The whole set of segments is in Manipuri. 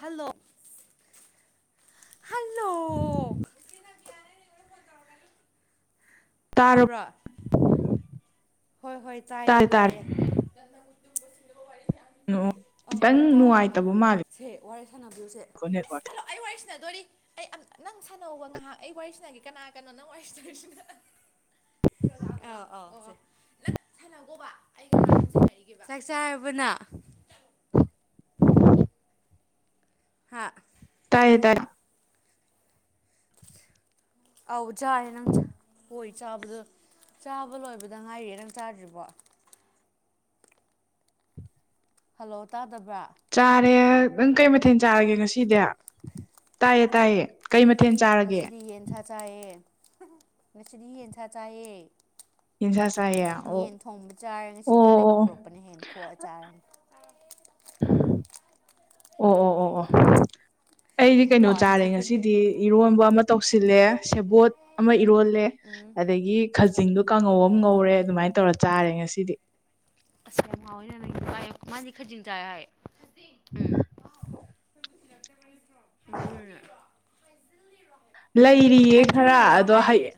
ꯍꯜꯂꯣ ꯍꯜꯂꯣ [inaudible] ꯇꯥꯔ ꯇꯥꯕ꯭ꯔ ꯍꯣꯏ ꯍꯣꯏ ꯇꯥꯏꯌꯦ ꯇꯥꯔꯦ ꯇꯥꯔꯦ ꯇꯥꯏꯌꯦ [inaudible] ꯑꯧ ꯈꯤꯇꯪ ꯇꯥꯔꯦ ꯅꯨꯡꯉꯥꯏꯇꯕ ꯃꯥꯜꯂꯤ ꯁꯦ ꯋꯥꯔꯤ ꯁꯥꯟꯅꯕꯤꯗꯨꯁꯦ [unintelligible] ꯑꯩ ꯋꯥꯔꯤ ꯁꯥꯟꯅꯗꯣꯔꯤ ꯑꯩ-ꯑꯝ- ꯅꯪ ꯁꯥꯟꯅꯧꯕ ꯉꯥꯏꯍꯥꯛ ꯑꯩ ꯋꯥꯔꯤ ꯁꯥꯟꯅꯒꯦ ꯀꯅꯥ ꯒꯅꯣ ꯅꯪ ꯋꯥꯔꯤꯁꯅꯔꯤꯁꯤꯅ [unintelligible] ꯅꯛ ꯁꯥꯟꯅꯒꯣꯕ ꯑꯩꯒ ꯃꯥꯒ ꯑꯃ ꯁꯥꯟꯅꯔꯤꯒꯦꯕ ꯆꯥꯛꯆꯥꯥꯕꯅ ꯍꯥ ꯇꯌꯦ ꯇꯔꯥ ꯑꯥꯎ ꯆꯥꯔꯦ ꯅꯪ ꯍꯣꯏ ꯆꯥꯕꯗꯣ ꯆꯥꯕ ꯂꯣꯏꯕꯗ ꯉꯥꯏꯌꯦ ꯅꯪ ꯆꯥꯗ꯭ꯔꯤꯔꯤꯕꯣ ꯍꯜꯂꯣ ꯇꯥꯗꯕ꯭ꯔꯥ ꯆꯥꯔꯦ ꯅꯪ ꯀꯩ ꯃꯊꯦꯜ ꯆꯥꯔꯒꯦ ꯉꯁꯤꯗꯤ ꯇꯥꯏꯌꯦ ꯇꯥꯏꯌꯦ ꯀꯩ ꯃꯊꯦꯜ ꯆꯥꯔꯒꯦ ꯃꯆꯔꯤ ꯌꯦꯟꯁꯥ ꯆꯥꯦ ꯌꯦꯟꯁꯥ ꯆꯥꯏꯌꯦ ꯑꯣ ꯌꯦꯟ ꯊꯣꯡꯕ ꯆꯥꯔꯦ ꯑꯣ ꯉꯁꯤꯗꯤ ꯅꯪꯒꯤ ꯑꯣ ꯄꯨꯔꯛꯄꯅ ꯍꯦꯟꯅ ꯈꯣꯛꯑ ꯆꯥꯔꯦ ꯑꯣ ꯑꯣ ꯑꯣ ꯑꯣ ꯑꯩꯗꯤ ꯀꯩꯅꯣ ꯆꯥꯔꯦ ꯃꯄꯥꯟꯁꯤꯗꯅꯦ ꯉꯁꯤꯗꯤ ꯏꯔꯣꯟꯕ ꯑꯃ ꯇꯧ ꯇꯧꯁꯤꯜꯂꯦ ꯁꯦꯕꯣꯠ ꯑꯃ ꯏꯔꯣꯜꯂꯦ ꯑꯗꯒꯤ ꯈꯖꯤꯡꯗꯣ ꯀꯥꯡꯉꯧ ꯑꯃ ꯉꯧꯔꯦ ꯑꯗꯨꯃꯥꯏꯅ ꯇꯧꯔꯦ ꯈꯔ ꯆꯥꯔꯦ ꯉꯁꯤꯗꯤ ꯑꯁꯃꯥꯣꯏꯅ ꯅꯪꯥꯏ ꯃꯥꯗꯤ ꯈꯖꯤꯡ ꯆꯥꯏ ꯍꯥꯏ ꯎ ꯂꯩꯔꯤꯌꯦ ꯈꯔ ꯍꯥꯏꯖꯤꯜꯂꯤꯔꯣ ꯑꯗꯣ ꯍꯥꯏꯌꯦ ꯍꯌꯦ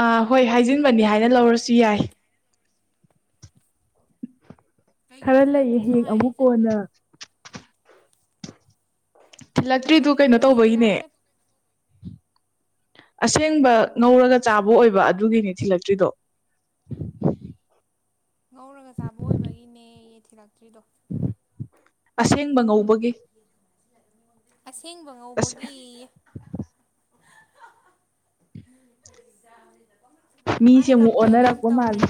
ꯑꯥ ꯍꯣꯏ ꯍꯥꯏꯖꯤꯟꯕꯅꯤ ꯍꯥꯏꯅ ꯂꯧꯔꯁꯨ ꯌꯥꯏ ꯀꯩꯒꯤ ꯈꯔ ꯂꯩꯌꯦ ꯊꯤꯜꯂꯛꯇ꯭ꯔꯤꯅꯣ ꯍꯌꯦꯡ ꯍꯥꯏꯌꯦ ꯑꯃꯨꯛ ꯏꯆꯦ ꯀꯣꯟꯅ ꯊꯤꯜꯂꯛꯇ꯭ꯔꯤꯗꯨ ꯀꯩꯒꯤ ꯀꯩꯅꯣ ꯈꯖꯤꯡ ꯇꯧꯕꯒꯤꯅꯦ ꯆꯥꯔꯒ ꯁꯦꯡꯕ ꯍꯥꯏꯔꯛꯑꯣ ꯉꯧꯔꯒ ꯍꯥꯏꯔꯣ ꯆꯥꯕ ꯑꯣꯏꯕ ꯑꯗꯨꯒꯤꯅꯤ ꯊꯤꯜꯂꯛꯇ꯭ꯔꯤꯗꯣ ꯉꯧꯔꯒ ꯆꯥꯕ ꯑꯣꯏꯕꯒꯤꯅꯦꯌꯦ ꯊꯤꯜꯂꯛꯇ꯭ꯔꯤꯗꯣ ꯑꯁꯦꯡꯕ ꯉꯧꯕꯒꯤ ꯑꯁꯦꯡꯕ ꯑꯁ ꯉꯧꯕꯒꯤ [unintelligible] ꯃꯤꯁꯦ ꯑꯃꯨꯛ ꯑꯣꯟꯅꯔꯛꯄ ꯃꯥꯜꯂꯤꯦ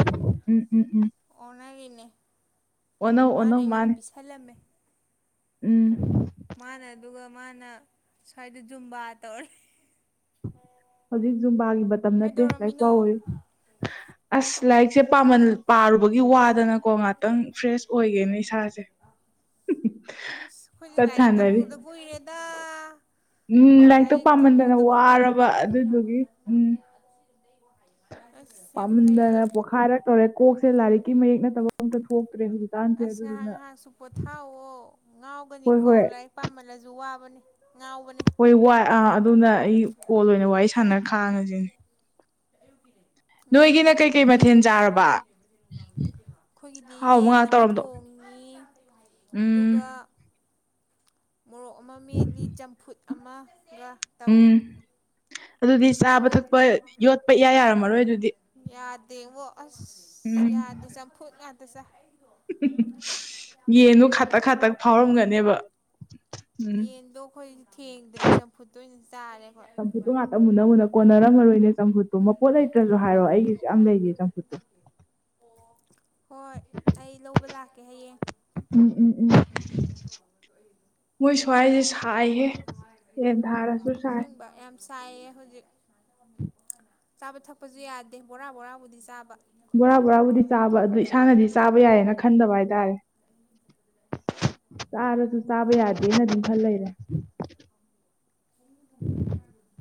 ꯎꯝ ꯎꯝ ꯎꯝ ꯑꯣꯟꯅꯔꯤꯅꯦ ꯑꯣꯟꯅꯧ ꯃꯥꯅ ꯑꯣꯟꯅꯧ ꯑꯩꯉꯣꯟꯗ ꯃꯥꯅꯦ ꯄꯤꯁꯜꯂꯝꯃꯦ ꯎꯝ ꯃꯥꯅ ꯑꯗꯨꯒ ꯃꯥꯅ ꯁ꯭ꯋꯥꯏꯗ ꯖꯨꯝꯕꯥ ꯇꯧꯔꯦ ꯍꯧꯖꯤꯛ ꯌꯖꯨꯝꯕꯥꯒꯤ ꯃꯇꯝ ꯅꯠꯇꯦ ꯂꯥꯏꯔꯤ ꯀꯩꯗꯧꯔꯝꯃꯤꯅꯣ ꯄꯥꯎ ꯑꯣꯏꯌꯨ ꯑꯁ ꯂꯥꯏꯔꯤꯛꯁꯦꯃ ꯄꯥꯔꯨꯕꯒꯤ ꯋꯥꯗꯅꯀꯣ ꯉꯥꯛꯇꯪ ꯐ꯭ꯔꯦꯁ ꯑꯣꯏꯒꯦꯅꯦ ꯏꯁꯥꯁꯦ ꯑꯁ ꯑꯩꯈꯣꯏꯁ ꯆꯠ ꯂꯥꯏꯔꯤꯛꯀ ꯁꯥꯟꯅꯔꯤ ꯎꯗ ꯀꯨꯏꯔꯦꯗ ꯎꯝ ꯂꯥꯏꯔꯤꯛꯇꯣ ꯄꯥꯝꯃꯟꯗꯅ ꯎꯗꯕ ꯀꯨꯏꯔꯦ ꯋꯥꯔꯕ ꯑꯗꯨꯗꯨꯒꯤ ꯎꯝ ꯑꯁ ꯌꯥꯝ ꯄꯥꯝꯗꯅ ꯐꯩꯌꯦ ꯄꯣꯛꯈꯥꯏꯔ ꯇꯧꯔꯦ ꯀꯣꯛꯁꯦ ꯂꯥꯏꯔꯤꯛꯀꯤ ꯃꯌꯦꯛ ꯅꯠꯇꯕ ꯑꯝꯇ ꯊꯣꯛ ꯑꯁ ꯉꯥꯏꯍꯥꯛ ꯉꯥꯏꯍꯥꯛꯁꯨ ꯄꯣꯊꯥꯑꯣ ꯍꯣꯏ ꯉꯥꯎꯒꯅꯤꯀꯣ ꯍꯣꯏ ꯂꯥꯏꯔꯤꯛ ꯄꯥꯝꯃꯜꯂꯁꯨ ꯋꯥꯕꯅꯦ ꯉꯥꯎꯕꯅꯦ ꯍꯣꯏ ꯋꯥ ꯑ ꯑꯗꯨꯅ ꯑꯩ ꯀꯣꯜ ꯑꯣꯏꯅ ꯋꯥꯔꯤ ꯁꯥꯟꯅꯔ ꯈꯥꯡꯉꯁꯤꯅꯦ ꯑꯦꯨ ꯀꯗꯦ ꯅꯣꯏꯒꯤꯅ ꯀꯩꯀꯩ ꯃꯊꯦꯜ ꯆꯥꯔꯕ ꯑꯩꯈꯣꯏꯒꯤꯗꯤ ꯍꯥꯎꯕ ꯌꯦꯟ ꯉꯥꯛ ꯑꯃ ꯇꯧꯔꯕꯗꯣ ꯊꯣꯡꯉꯤ ꯎꯝ ꯑꯗꯨꯒ ꯃꯣꯔꯣꯛ ꯑꯃ ꯃꯦꯠꯂꯤ ꯆꯝꯐꯨꯠ ꯑꯃ ꯎꯝ ꯑꯗꯨꯗꯤ ꯍ ꯆꯥꯕ ꯊꯛꯄ ꯌꯣꯠꯄ ꯏꯌꯥ ꯌꯥꯔꯝꯃꯔꯣꯏ ꯑꯗꯨꯗꯤ ꯌꯥꯗꯦꯕꯣ ꯑꯁ ꯌꯥꯗꯦ ꯆꯝꯐꯨꯠ ꯉꯥꯛꯇꯁꯥ ꯌꯦꯟꯗꯨꯣ ꯈꯥꯇꯛ ꯈꯥꯇꯛ ꯐꯥꯎꯔꯝꯒꯅꯦꯕ ꯎꯝ ꯌꯦꯟꯗꯣ ꯑꯩꯈꯣꯏ ꯊꯦꯡꯗ꯭ꯔꯦ ꯆꯝꯐꯨꯠꯇꯣꯏ ꯑꯣꯏꯅ ꯇꯥꯔꯦ ꯆꯝꯐꯨꯠꯇꯣ ꯉꯥꯛꯇ ꯃꯨꯟꯅ ꯃꯨꯟꯅ ꯀꯣꯟꯅꯔꯝꯃꯔꯣꯏꯅꯦ ꯆꯝꯐꯨꯠꯇꯣ ꯠꯇ ꯍꯣꯏ ꯑꯩ ꯂꯧꯕ ꯂꯥꯀꯦ ꯎꯝ ꯎꯝ ꯎꯝ ꯃꯣꯏꯁꯨ ꯁ꯭ꯋꯥꯏꯁꯦ ꯁꯥꯏꯍꯦ ꯌꯦꯟ ꯊꯥꯔꯁꯨ ꯁꯥꯏ ꯆꯥꯏꯌꯦ ꯍꯧꯖꯤꯛ ꯆꯥꯕ ꯊꯛꯄꯁꯨ ꯌꯥꯗꯦ ꯕꯣꯔꯥ ꯕꯣꯔꯥꯕꯨꯗꯤ ꯆꯥꯕ ꯕꯣꯔꯥ ꯕꯣꯔꯥꯕꯨꯗꯤ ꯆꯥꯕ ꯑꯗꯨ ꯏꯁꯥꯅꯗꯤ ꯆꯥꯕ ꯌꯥꯏꯌꯦꯅ ꯈꯟꯗꯕ ꯍꯥꯏꯇꯥꯔꯦ ꯆꯥꯔꯁꯨ ꯆꯥꯕ ꯌꯥꯗꯦꯅꯗꯤꯝ ꯈꯜ ꯂꯩꯔꯦ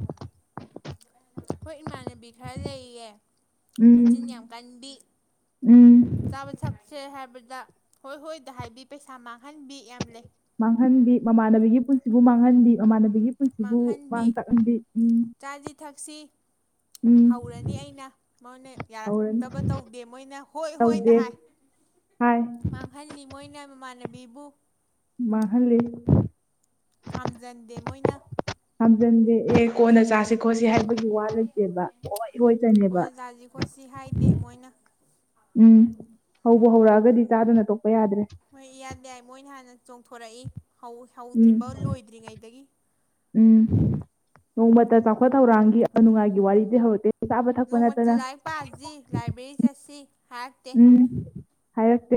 ꯑꯩꯈꯣꯏ ꯏꯃꯥꯟꯅꯕꯤ ꯈꯔ ꯂꯩꯌꯦ ꯃ ꯎꯝ ꯆꯤꯟ ꯌꯥꯝ ꯌꯥꯝ ꯎꯝ ꯀꯟꯕꯤꯕ ꯁꯁꯦ ꯍꯥꯏ ꯗ ꯍꯣꯏ ꯍꯣꯏꯗ ꯍꯥꯏꯕꯤ ꯄꯩꯁꯥ ꯃꯥꯡꯍꯟꯕꯤ ꯌꯥꯝ ꯂꯩ ꯃꯥꯡꯍꯟꯕꯤ ꯃꯃꯥꯟꯅꯕꯤꯒꯤ ꯄꯨꯟꯁꯤꯕꯨ ꯃꯥꯡꯍꯟꯕꯤ ꯃꯃꯥꯟꯅꯕꯤ ꯒꯤ ꯄꯨꯟꯁꯤꯕꯨ ꯃꯥꯡꯍꯟꯕꯤ ꯃꯥꯡ ꯇꯥꯛꯍꯟꯕꯤ ꯆꯥꯁꯤ ꯊꯛꯁꯤ ꯎꯝ ꯍꯧꯔꯅꯤ ꯑꯩꯅ ꯃꯣꯏꯅ ꯍꯧꯔꯅꯤ ꯌꯥꯔꯛꯇꯕ ꯇꯧꯗꯦ ꯃꯣꯏꯅ ꯍꯣꯏ ꯍꯣꯏ ꯇꯧꯗꯦ ꯍꯥꯏꯥꯏ ꯍꯥꯏ ꯃꯥꯡꯍꯜꯂꯤ ꯃꯣꯏꯅ ꯃꯃꯥꯟꯅꯕꯤꯕꯨ ꯃꯥꯍꯂꯦ ꯈꯥꯝꯖꯟꯗꯦ ꯃꯣꯏꯅ ꯍꯥꯝꯆꯟꯗꯦ ꯑꯦꯦ ꯀꯣꯟꯅ ꯆꯥꯁꯤ ꯈꯠꯁꯤ ꯈꯣꯠꯁꯤ ꯍꯥꯏꯕꯒꯤ ꯋꯥ ꯂꯩꯇꯦꯕ ꯑꯣ ꯏꯍꯣꯏ ꯆꯅꯦꯕ ꯀꯣꯏꯅ ꯆꯥꯁꯤ ꯈꯣꯠꯁꯤ ꯍꯥꯏꯗꯦ ꯃꯣꯏꯅ ꯎꯝ ꯍꯧꯕ ꯍꯧꯔꯛꯑꯒꯗꯤ ꯆꯥꯗꯨꯅ ꯇ ꯍꯣꯏ ꯌꯥꯗ ꯌꯥꯏ ꯃꯣꯏꯅ ꯍꯥꯟꯅ ꯆꯣꯡꯊꯣꯔꯛꯏ ꯎꯝ ꯍꯧꯗ꯭ꯔꯤꯐ ꯂꯣꯏꯗ꯭ꯔꯤꯉꯩꯗꯒꯤ ꯎꯝ ꯅꯣꯡꯃꯇ ꯆꯥꯎꯈꯠ ꯊꯧꯔꯥꯡꯒꯤ ꯑꯅꯨꯡꯉꯥꯏꯒꯤ ꯋꯥꯔꯤꯗꯤ ꯍꯧꯔꯛꯛꯇꯦ ꯅꯣꯡꯃꯇ ꯂꯥꯏꯔꯛ ꯄ ꯑꯁꯤ ꯂꯥꯏꯕ꯭ꯔꯦꯔꯤ ꯆꯠꯁꯤ ꯍꯥꯏꯔꯛꯇꯦ ꯎꯝ ꯍꯥꯏꯔꯛꯇꯦ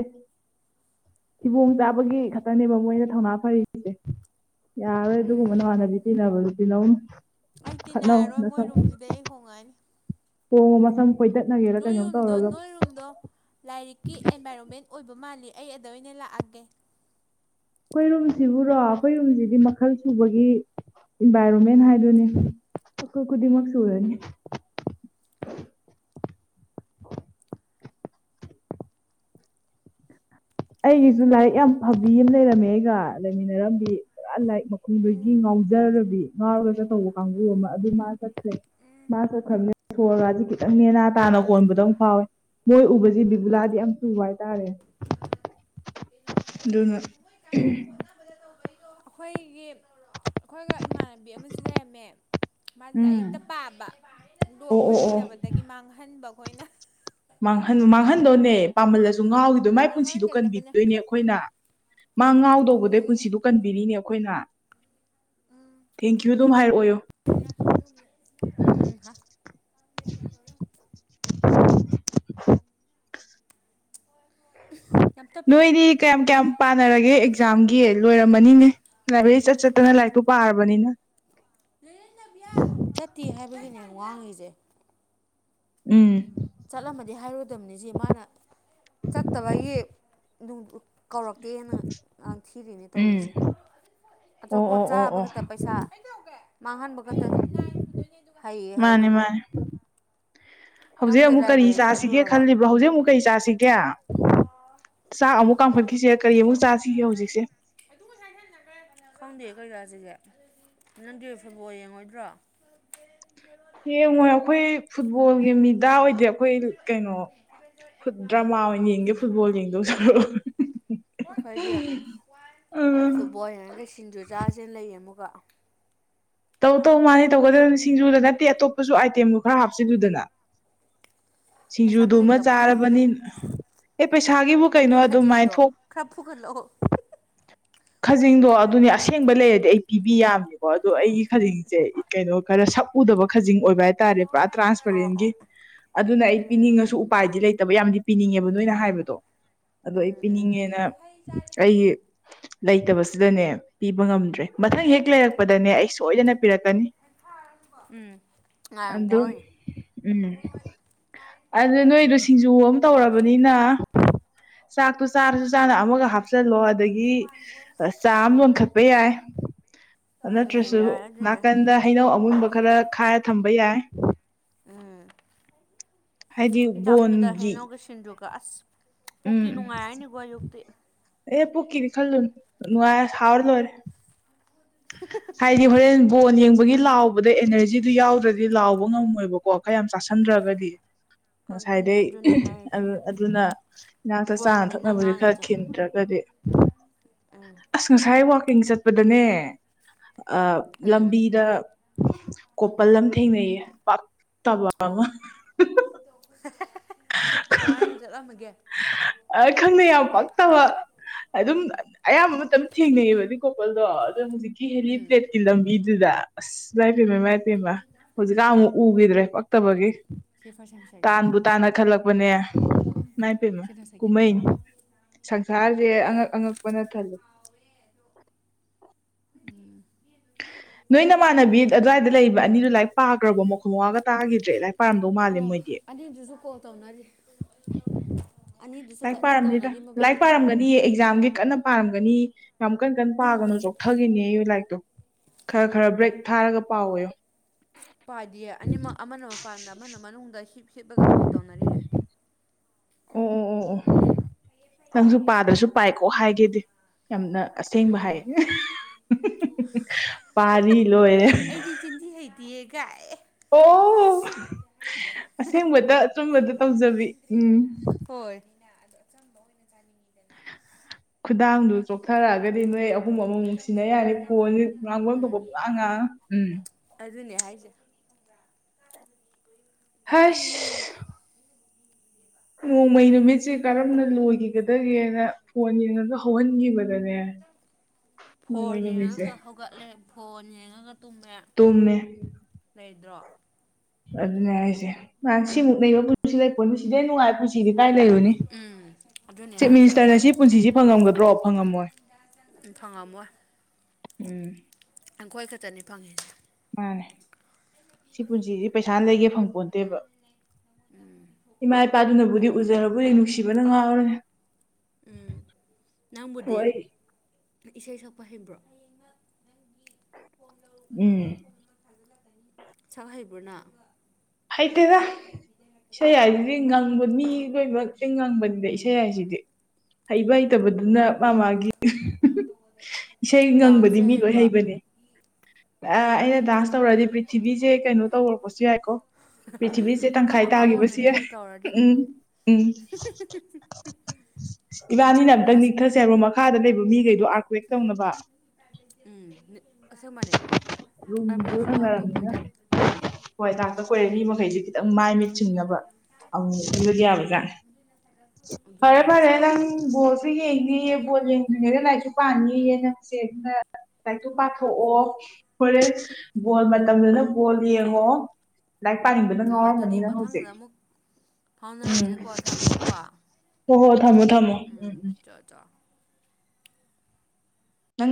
ꯐꯤꯕꯣꯡ ꯆꯥꯕꯒꯤ ꯈꯛꯇꯅꯦꯕ ꯃꯣꯏꯅ ꯊꯧꯅꯥ ꯐꯔꯤꯁꯦ ꯌꯥꯔꯣꯏ ꯑꯗꯨꯒꯨꯝꯕꯅ ꯎꯝ ꯍꯥꯟꯅꯗꯤ ꯇꯤꯟꯅꯕꯗꯨ ꯇꯤꯟꯅꯧꯨꯝ ꯑꯩ ꯇꯤ ꯏꯔꯣꯏ ꯃꯣꯏ ꯔꯨꯝꯁꯤꯗꯩ ꯑꯩ ꯍꯣꯡꯉꯛꯑꯅꯤ ꯑꯣ ꯃꯁꯝ ꯐꯣꯏꯗꯠꯅꯒꯦꯔ ꯀꯩꯅꯣꯝ ꯅꯣꯏꯔꯨꯝꯗꯣ ꯇꯧꯔꯒ ꯅꯣꯏꯔꯨꯝꯗꯣ ꯂꯥꯏꯔꯤꯛꯀꯤ ꯑꯦꯟꯚꯥꯏꯔꯣꯟꯃꯦꯟ ꯑꯣꯏꯕ ꯃꯥꯜꯂꯤ ꯑꯩ ꯑꯗꯨꯗ ꯑꯣꯏꯅ ꯂꯥꯛꯑꯒꯦ ꯈꯣꯏꯔꯨꯝꯁꯤꯕꯨꯔꯣ ꯑꯩꯈꯣꯏꯔꯨꯝꯁꯤꯗꯤ ꯃꯈꯜ ꯁꯨꯕꯒꯤ ꯏꯟꯚꯥꯏꯔꯣꯟꯃꯦꯟ ꯍꯥꯏꯗꯨꯅꯤ ꯑꯩꯈꯣꯏ ꯈꯨꯗꯤꯡꯃꯛ ꯁꯨꯔꯅꯤ ꯑꯩꯒꯤꯁꯨ ꯂꯥꯏꯔꯤꯛ ꯌꯥꯝ ꯐꯕꯤ ꯑꯃ ꯂꯩꯔꯝꯃꯦ ꯑꯩꯒ ꯂꯩꯃꯤꯟꯅꯔꯝꯗꯤ ꯄꯨꯔꯥ ꯂꯥꯏꯔꯤꯛ ꯃꯈꯨꯗꯒꯤ ꯎꯝ ꯉꯥꯎꯖꯔꯕꯤ ꯉꯥꯎꯔ ꯧ ꯀꯥꯡꯕꯨ ꯑꯃ ꯑꯗꯨ ꯃꯥ ꯆꯠꯈ꯭ꯔꯦ ꯃꯥ ꯆꯠꯈ꯭ꯔꯅꯦ ꯁꯣꯔꯒꯁꯤ ꯈꯤꯇꯪ ꯌꯥꯝ ꯃꯦꯅꯥ ꯇꯥꯅ ꯀꯣꯟꯕꯗ ꯐꯥꯎꯋꯦ ꯃꯣꯏ ꯎꯕꯁꯤ ꯕꯤꯕꯨꯨꯂꯥꯗꯤ ꯌꯥꯝ ꯆꯨꯕ ꯍꯥꯏꯇꯥꯔꯦ ꯑꯗꯨꯅ ꯑꯩꯈꯣꯏꯒꯤ ꯑꯩꯈꯣꯏꯒ ꯏꯃꯥꯟꯅꯕꯤ ꯑꯃꯁꯨ ꯂꯩꯔꯝꯃꯦ ꯃꯥꯁ ꯎꯝ ꯂꯔꯤꯦꯛꯇ ꯄꯥꯕꯗꯣ ꯑꯣ ꯑꯣ ꯑꯩꯈꯣꯏ ꯑꯣ ꯇꯤꯟꯅꯕꯗꯒꯤ ꯃꯥꯡꯍꯟꯕ ꯑꯩꯈꯣꯏꯅ ꯃꯥꯡꯍꯟ ꯃꯥꯡꯍꯟꯗꯣꯅꯦ ꯄꯥꯝꯍꯜꯂꯁꯨ ꯉꯥꯎꯒꯤꯗꯣ ꯃꯥꯏ ꯄꯨꯟꯁꯤꯗꯣ ꯃꯥꯡꯍꯟꯒꯗꯕꯅꯦ ꯀꯟꯕꯤꯗꯣꯏꯅꯦ ꯑꯩꯈꯣꯏꯅ ꯃꯥ ꯉꯥꯎꯗꯧꯕꯗꯩ ꯎꯝ ꯄꯨꯟꯁꯤꯗ ꯀꯟꯕꯤꯔꯤꯅꯦ ꯑꯩꯈꯣꯏꯅ ꯊꯦꯡꯀ꯭ꯌꯨ ꯑꯗꯨꯝ ꯍꯥꯏꯔꯛꯑꯣꯌꯣ ꯎꯝ ꯍꯥꯥ ꯀꯌꯥ ꯊꯔ [inaudible] ꯌꯥꯝ ꯇꯞꯄꯤꯅꯦ ꯅꯣꯏꯗꯤ ꯀꯌꯥꯝ ꯀꯌꯥꯝ ꯄꯥꯅꯔꯒꯦ ꯑꯦꯛꯖꯥꯝꯒꯤ ꯂꯣꯏꯔꯝꯃꯅꯤꯅꯦ ꯂꯥꯏꯕ꯭ꯔꯦꯔꯤ ꯆꯠ ꯆꯠꯇꯅ ꯂꯥꯏꯔꯤꯛꯇꯨ ꯄꯥꯔꯕꯅꯤꯅ ꯆꯠꯇꯦ ꯍꯥꯏꯕꯒꯤꯅꯦ ꯌꯥꯝ ꯋꯥꯡꯉꯁꯦ ꯎꯝ ꯆꯠꯂꯝꯃꯗꯤ ꯍꯥꯏꯔꯨꯗꯕꯅꯤ ꯁꯤꯦ ꯃꯥꯅ ꯆꯠꯇꯕꯒꯤ ꯀꯧꯔꯛꯇꯦꯅꯥꯡ ꯊꯤꯔꯤꯅꯦ ꯎꯝ ꯇꯧꯔꯤꯁꯦ ꯑꯣ ꯑꯆꯄꯣꯠ ꯑꯣ ꯑꯣ ꯆꯥꯕ ꯑꯣ ꯈꯛꯇ ꯄꯩꯁꯥ ꯃꯥꯡꯍꯟꯕ ꯈꯛꯇ ꯍꯩꯌꯦ ꯃꯥꯅꯦ ꯍꯥꯏꯗꯅ ꯃꯥꯅꯦ ꯍꯧꯖꯤꯛ ꯅꯪꯗꯤ ꯑꯃꯨꯛ ꯀꯔꯤ ꯂꯥꯏꯕ꯭ꯔꯦꯔꯤ ꯆꯥꯁꯤꯒꯦ ꯆꯠꯂꯨꯔꯕ ꯈꯜꯂꯤꯕ꯭ꯔꯣ ꯍꯧꯖꯤꯛ ꯑꯃꯨꯛ ꯀꯔꯤ ꯆꯥꯁꯤꯒꯦ ꯆꯥꯛ ꯑꯃꯨꯛ ꯀꯥꯈꯠꯈꯤꯁꯦ ꯀꯔꯤ ꯑꯃꯨꯛ ꯆꯥꯁꯤꯒꯦ ꯍꯧꯖꯤꯛꯁꯦ ꯆꯥꯏꯅ ꯅ ꯈꯪꯗꯦ ꯀꯩꯔꯥ ꯁꯤꯁꯦ ꯅꯪꯒꯤ ꯐꯕꯣ ꯌꯦꯡꯉꯣꯏꯗ꯭ꯔꯣ ꯌꯦꯡꯉꯣꯏ ꯑꯩꯈꯣꯏ ꯐꯨꯠꯕꯣꯜꯒꯤ ꯃꯤꯗꯥ ꯑꯣꯏꯗꯦ ꯑꯩꯈꯣꯏ ꯀꯩꯅꯣ ꯐꯨꯠ ꯗ꯭ꯔꯃꯥ ꯑꯣꯏꯅ ꯌꯦꯡꯒꯦ ꯐꯨꯠꯕꯣꯜ ꯌꯦꯡꯗꯧ ꯁꯔꯨꯛ ꯑꯩꯈꯣꯏꯗꯤ ꯎꯝ ꯐꯨꯠꯕꯣꯜ ꯍꯥꯏꯉꯒ ꯁꯤꯡꯖꯨ ꯆꯥꯥꯁꯦꯅ ꯂꯩ ꯋꯥ ꯇꯧ ꯇꯧ ꯃꯥꯅꯤ ꯇꯧꯒꯗꯕꯅꯤ ꯁꯤꯡꯖꯨꯗ ꯅꯠꯇꯦ ꯑꯇꯣꯞꯄꯁꯨ ꯑꯥꯏꯇꯦꯝꯗꯨ ꯈꯔ ꯍꯥꯞꯆꯜꯂꯨꯗꯅ ꯄꯩꯁꯥꯅ ꯁꯤꯡꯖꯨꯗꯨꯃ ꯂꯩꯇꯕ ꯆꯥꯔꯕꯅꯤꯅ ꯑꯦ ꯄꯩꯁꯥꯒꯤꯕꯨ ꯀꯩꯅꯣ ꯅꯪꯒꯤ ꯑꯗꯨꯃꯥꯏꯅ ꯈꯖꯤꯡꯗꯣ ꯊꯣꯛ ꯈꯔ ꯐꯨꯒꯠꯂꯛꯑꯣ ꯈꯖꯤꯡꯗꯣ ꯑꯗꯨꯅꯤ ꯑꯁꯦꯡꯕ ꯂꯩꯔꯗꯤ ꯑꯩ ꯄꯤꯕꯤ ꯌꯥꯕꯅꯦꯀꯣ ꯑꯗꯣ ꯑꯩꯒꯤ ꯈꯖꯤꯡꯁꯦ ꯀꯩꯅꯣ ꯈꯔ ꯁꯛꯎꯗꯕ ꯈꯖꯤꯡ ꯑꯣꯏꯕ ꯍꯥꯏꯇꯥꯔꯦ ꯄꯨꯔꯥ ꯑꯣ ꯇ꯭ꯔꯥꯟꯁꯄꯦꯔꯦꯟꯒꯤ ꯑꯣ ꯑꯗꯨꯅ ꯑꯩ ꯎꯝ ꯄꯤꯅꯤꯡꯉꯁꯨ ꯎꯄꯥꯏꯗꯤ ꯂꯩꯇꯕ ꯌꯥꯝꯗꯤ ꯄꯤꯅꯤꯡꯉꯦꯕ ꯅꯣꯏꯅ ꯍꯥꯏꯕꯗꯣ ꯑꯗꯣ ꯑꯩ ꯎꯝ ꯎꯝ ꯄꯤꯅꯤꯡꯉꯦꯅ ꯑꯩ ꯂꯩꯇꯕꯁꯤꯗꯅꯦ ꯄꯤꯕ ꯉꯝꯗ꯭ꯔꯦ ꯃꯊꯪ ꯍꯦꯛ ꯂꯩꯔꯛꯄꯗꯅꯦ ꯑꯩ ꯁꯣꯏꯗꯅ ꯄꯤꯔꯛꯀꯅꯤ ꯎꯝ ꯉꯥꯏꯔꯪ ꯑꯗꯣ ꯕꯣꯔꯣꯏꯅꯤ ꯎꯝ ꯑꯗꯨꯗ ꯅꯣꯏꯨꯗꯣ ꯁꯤꯡꯖꯨ ꯑꯃ ꯇꯧꯔꯕꯅꯤꯅ ꯆꯥꯛꯇꯣ ꯆꯥꯔꯁꯨ ꯆꯥꯅ ꯑꯃꯒ ꯍꯥꯞ ꯍꯥꯞꯆꯜꯂꯣ ꯑꯗꯒꯤ ꯆꯥ ꯑꯃ ꯎꯝ ꯂꯣꯟꯈꯠꯄ ꯌꯥꯏ ꯎꯝ ꯅꯠꯇ꯭ꯔꯁꯨ ꯌꯥꯔꯦ ꯑꯗꯨꯅꯦ ꯅꯥꯀꯟꯗ ꯍꯩꯅꯧ ꯑꯃꯨꯟꯕ ꯈꯔ ꯈꯥꯏꯔ ꯊꯝꯕ ꯌꯥꯏ ꯎꯝ ꯍꯥꯏꯗꯤ ꯆꯥꯛꯇꯨꯗ ꯕꯣꯟꯒꯤ ꯍꯩꯅꯧꯒ ꯁꯤꯡꯖꯨꯒ ꯑꯁ ꯄꯨꯈꯇꯤ ꯎꯝ ꯅꯨꯡꯉꯥꯏꯔꯅꯤꯀꯣ ꯑꯌꯨꯛꯇꯤ ꯑꯦ ꯄꯨꯛꯀꯤꯗꯤ ꯈꯜꯂꯨꯅꯨ ꯅꯨꯡꯉꯥꯏꯔ ꯍꯥꯎꯔ ꯂꯣꯏꯔꯦ ꯍꯥꯏꯗꯤ ꯍꯣꯔꯦꯟ ꯕꯣꯟ ꯌꯦꯡꯕꯒꯤ ꯂꯥꯎꯕꯗ ꯑꯦꯅꯔꯖꯤꯗꯨ ꯌꯥꯎꯗ꯭ꯔꯗꯤ ꯂꯥꯎꯕ ꯉꯝꯃꯣꯏꯕꯀꯣ ꯈꯔ ꯌꯥꯝ ꯆꯥꯁꯟꯗ꯭ꯔꯒꯗꯤ ꯑꯗꯨꯅꯦ ꯉꯁꯥꯏꯗꯩ ꯑꯗꯨꯅꯦ ꯍꯥꯏꯔꯤꯁꯦ ꯑꯗꯨꯅ ꯏꯅꯥꯛꯇ ꯆꯥꯅ ꯄꯣꯏꯟꯅꯦ ꯅꯪ ꯊꯛꯅꯕꯁꯦ ꯈꯔ ꯉꯥꯡꯉꯤꯁꯦ ꯈꯤꯟꯗ꯭ꯔꯒꯗꯤ ꯗꯦ ꯎꯝ ꯑꯁ ꯉꯁꯥꯏ ꯋꯥꯛꯀꯤꯡ ꯆꯠꯄꯗꯅꯦ ꯑ ꯎꯝ ꯂꯝꯕꯤꯗ ꯀꯣꯄꯜ ꯑꯃ ꯊꯦꯡꯅꯩꯌꯦ ꯇꯕ ꯑꯪ ꯑꯃ ꯀꯃꯥꯏꯅ ꯆꯠꯂꯝꯃꯒꯦ ꯑ ꯈꯪꯗꯦ ꯌꯥꯝ ꯄꯛꯇꯕ ꯑꯗꯨꯝ ꯑꯌꯥꯝꯕ ꯃꯇꯝ ꯊꯦꯡꯅꯩꯑꯕꯗꯤ ꯀꯣꯄꯜꯗꯣ ꯑꯗꯣ ꯍꯧꯖꯤꯛꯀꯤ ꯎꯝ ꯍꯦꯂꯤꯄ꯭ꯔꯦꯠꯀꯤ ꯂꯝꯕꯤꯗ ꯑꯗꯨꯗ ꯑꯁ ꯃꯥꯏ ꯄꯦꯝꯃ ꯃꯥꯏ ꯄꯦꯝꯃ ꯍꯧꯖꯤꯛꯀꯥꯟ ꯑꯃꯨꯛ ꯎꯈꯤꯗ꯭ꯔꯦ ꯄꯛꯇꯕꯒꯤ ꯁꯤꯐꯥ ꯁꯝꯁꯒꯤꯔ ꯇꯥꯅ ꯈꯜꯂꯛꯄꯅꯦ ꯅꯥꯄꯦꯝꯃ ꯁꯤꯅ ꯁꯦꯀꯦꯟꯒꯤ ꯀꯨꯝꯍꯩꯅꯤ ꯁꯪꯁꯥꯔ ꯑꯉꯛ ꯑꯉꯛꯄꯅ ꯊꯜꯂ ꯎꯝ ꯅꯣꯏ ꯅꯃꯥꯟꯅꯕꯤ ꯑꯗꯨꯋꯥꯏꯗ ꯂꯩꯕ ꯑꯅꯤꯗꯨꯣ ꯂꯥꯏꯔꯤꯛ ꯄꯥꯈ꯭ꯔꯕꯣ ꯃꯈꯣꯡ ꯃꯋꯥꯒ ꯇꯥꯈꯤꯗ꯭ꯔꯦ ꯂꯥꯏ ꯄꯥꯟꯕꯧ ꯃꯥꯜꯂꯦ ꯑꯣ ꯃꯣꯏꯗꯤ ꯑꯅꯤꯗꯨꯁꯨ ꯀꯣꯜ ꯇꯧꯅꯔꯤ ꯑꯅꯤꯗꯨꯁꯨ ꯂꯥꯏꯔꯤꯛ ꯀꯟꯅ ꯄꯥꯔꯝꯅꯤꯗ ꯇꯧꯅꯔꯤ ꯂꯥꯏꯔꯤꯛ ꯃꯕꯥꯅꯤ ꯄꯥꯔꯝꯒꯅꯤꯌꯦ ꯑꯦꯛꯖꯥꯝꯒꯤ ꯀꯟꯅ ꯄꯥꯔꯝꯒꯅꯤ ꯌꯥꯝ ꯀꯟ ꯀꯟ ꯄꯥꯒꯅꯨ ꯆꯣꯛꯊꯈꯤꯅꯦ ꯑꯩ ꯂꯥꯏꯔꯤꯛꯇꯣ ꯈꯔ ꯈꯔ ꯕ꯭ꯔꯦꯛ ꯊꯥꯔꯒ ꯄꯥꯎ ꯑꯥꯌꯣ ꯄꯥꯗꯤꯌꯦ ꯑꯅꯤꯃꯛ ꯑꯃꯅ ꯃꯄꯥꯟꯗ ꯑꯃꯅ ꯃꯅꯨꯡꯗ ꯁꯤꯞ ꯁꯤꯞꯂꯒ ꯀꯣꯜ ꯇꯧꯅꯔꯤꯑ ꯑꯣ ꯑꯣ ꯑꯣ ꯑꯣ ꯅꯪꯁꯨ ꯄꯥꯗ꯭ꯔꯁꯨ ꯄꯥꯏꯀꯣ ꯍꯥꯏꯒꯦꯗꯤ ꯌꯥꯝꯅ ꯑꯁꯦꯡꯕ ꯍꯥꯏ ꯄꯥꯔꯤ ꯂꯣꯏꯔꯦ ꯑꯩꯗꯤ ꯆꯤꯟꯊꯤ ꯍꯩꯇꯤꯌꯦ ꯀꯥꯏ ꯑꯣ ꯑꯁꯦꯡꯕꯗ ꯑꯆꯨꯝꯕꯗ ꯇꯧꯖꯕꯤ ꯎꯝ ꯑꯗꯨ ꯑꯆꯝꯕ ꯑꯣꯏꯅ ꯆꯥꯅꯤꯡꯉꯤꯗꯅ ꯈꯨꯗꯥꯡꯗꯨ ꯄꯨꯂꯞ ꯆꯣꯛꯊꯔꯛꯑꯒꯗꯤ ꯅꯣꯏ ꯑꯍꯨꯝ ꯑꯃꯨꯛ ꯑꯩꯈꯣꯏꯗꯤ ꯅꯨꯡꯁꯤꯟꯅ ꯆꯝꯐꯨꯠ ꯑꯃ ꯌꯥꯅꯤꯦ ꯐꯣꯟꯁꯦ ꯌꯥꯎꯕꯒꯤ ꯉꯥꯡꯕꯝ ꯎꯝ ꯊꯣꯛꯄ ꯄꯨꯡꯉꯥꯡ ꯉꯥꯡꯉ ꯎꯝ ꯑꯗꯨꯅꯦ ꯍꯥꯏꯁꯦ ꯍꯥꯏꯁ ꯅꯣꯡꯃꯩ ꯅꯨꯃꯤꯠꯁꯦ ꯀꯔꯝꯅ ꯂꯣꯏꯈꯤꯒꯗꯒꯦꯅ ꯐꯣꯟ ꯌꯦꯡꯉꯁꯨ ꯍꯧꯍꯟꯈꯤꯕꯅꯣ ꯐꯣꯟ ꯅꯨꯃꯤꯠꯁꯦ ꯌꯦꯒ ꯍꯧꯒꯗꯂꯦ ꯐꯣꯟ ꯇꯨꯝꯃꯦ ꯇꯨꯝꯃꯦ ꯂꯩꯗ꯭ꯔꯣ ꯑꯗꯨꯅꯦ ꯑꯩꯁꯦ ꯅꯍꯥꯟ ꯁꯤꯃꯨꯛ ꯅꯩꯕ ꯄꯨꯟꯁꯤ ꯂꯩꯄꯣꯅꯤ ꯁꯤꯗꯩ ꯅꯨꯡꯉꯥꯏ ꯄꯨꯟꯁꯤꯗꯤ ꯀꯥꯏ ꯂꯩꯔꯨꯅꯤ ꯎꯝ ꯑꯗꯨꯅꯦ ꯆꯤꯞ ꯍꯥꯏꯁꯦ ꯃꯤꯅꯤꯁꯇꯔꯅ ꯑꯩꯈꯣꯏ ꯁꯤ ꯄꯨꯟꯁꯤꯁꯤ ꯐꯪꯉꯝꯒꯗ꯭ꯔꯣ ꯐꯪꯉꯝꯃꯣꯏ ꯐꯪꯉ ꯑꯃꯣ ꯎꯝ ꯑꯩꯪꯈꯣꯏ ꯈꯛꯇꯅꯤ ꯐꯪꯉꯁꯦ ꯃꯥꯅꯦ ꯁꯤ ꯄꯨꯟꯁꯤꯁꯤ ꯄꯩꯁꯥꯅ ꯂꯩꯒꯦ ꯐꯪꯄꯣꯟꯠꯇꯦꯕ ꯏꯃꯥ ꯏꯄꯥꯗꯨꯅꯕꯨꯗꯤ ꯎꯖꯕꯨꯗꯤ ꯅꯨꯡꯁꯤꯕꯅ ꯉꯥꯡꯔꯅꯦ ꯎꯝ ꯅꯪꯕꯨꯗꯤ ꯑꯩ ꯏꯁꯩ ꯁꯛꯄ ꯍꯩꯕ꯭ꯔꯣ ꯎꯝ ꯁꯛ ꯍꯩꯕ꯭ꯔꯅ ꯍꯩꯇꯦꯗ ꯏꯁꯩ ꯍꯥꯏꯁꯤꯗꯤ ꯉꯪꯕ ꯃꯤ ꯂꯣꯏꯃꯛ ꯍꯦꯡ ꯉꯪꯕꯅꯤꯗ ꯏꯁꯩ ꯍꯥꯏꯁꯤꯗꯤ ꯍꯩꯕ ꯍꯩꯇꯕꯗꯨꯅ ꯃꯥ ꯃꯥꯒꯤ ꯏꯁꯩ ꯉꯪꯕꯗꯤ ꯗꯥꯟꯁꯁꯦ ꯃꯤ ꯂꯣꯏ ꯍꯩꯕ꯭ꯔꯣ ꯍꯩꯕꯅꯦ ꯑ ꯑꯩꯅ ꯗꯥꯟꯁ ꯇꯧꯔꯛꯗꯤ ꯄ꯭ꯔꯤꯊꯤꯕꯤꯁꯦ ꯀꯩꯅꯣ ꯇꯧꯔꯛꯄꯁꯨ ꯌꯥꯏꯀꯣ ꯄ꯭ꯔꯤꯊꯤꯕꯤꯁꯦ ꯃꯊꯛ ꯇꯪꯈꯥꯏ ꯃꯈꯥ ꯇꯥꯈꯤꯕꯁꯤ ꯑꯣꯜꯂꯅꯤ ꯑꯩꯅ ꯇꯧꯔꯗꯤ ꯎꯝ ꯎꯝ ꯏꯕꯥꯅꯤꯅ ꯑꯝꯇꯪ ꯑꯁ ꯅꯤꯛꯊꯁꯦ ꯑꯃꯣ ꯃꯈꯥꯗ ꯂꯩꯕ ꯃꯤꯈꯩꯗꯣ ꯑꯥꯔꯀꯋꯦꯛ ꯇꯧꯅꯕ ꯎꯝꯁ ꯃꯅꯦ ꯔꯝꯔ ꯉꯔꯅꯤꯉ ꯍꯣꯏ ꯇꯥꯛꯇ ꯀꯣꯏꯔꯦ ꯃꯤ ꯃꯈꯩꯁꯤꯦ ꯈꯤꯇꯪ ꯃꯥꯏ ꯃꯤꯠ ꯁꯤꯡꯅꯕ ꯑ ꯑꯗꯨꯗꯤ ꯌꯥꯕꯒ ꯑꯗꯨꯅꯦ ꯐꯔꯦ ꯐꯔꯦ ꯍꯥꯏꯁꯦ ꯅꯪ ꯕꯣꯜꯁꯨ ꯌꯦꯡꯗꯦꯌꯦ ꯕꯣꯜ ꯌꯦꯡꯗ꯭ꯔꯤꯉꯩꯗ ꯂꯥꯏꯔꯤꯛꯁꯨ ꯄꯥꯅꯤꯌꯦꯌꯦ ꯅꯪ ꯦ ꯑꯗꯨꯅ ꯥꯏꯛꯇꯣ ꯄꯥꯊꯣꯛꯑꯣ ꯍꯣꯔꯦ ꯕꯣꯜ ꯃꯇꯝꯗꯨꯅ ꯕꯣꯜ ꯌꯦꯡꯉꯣ ꯂꯥꯏꯔꯤꯛ ꯄꯥꯅꯤꯡꯕꯗ ꯉꯥꯎꯔꯝꯒꯅꯤꯅ ꯍꯧꯖꯤꯛ ꯎꯝ ꯐꯥꯎꯅꯔꯁꯦ ꯀꯣ ꯊꯝꯃꯦꯀꯣ ꯍꯣ ꯍꯣ ꯊꯝꯃꯣ ꯊꯝꯃꯣ ꯎꯝ ꯆꯠ ꯆ ꯅꯪ